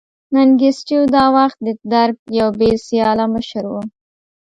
منګیسټیو دا وخت د درګ یو بې سیاله مشر و.